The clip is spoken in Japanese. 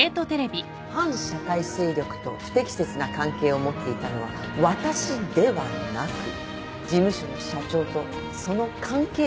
反社会勢力と不適切な関係を持っていたのは私ではなく事務所の社長とその関係者なのです。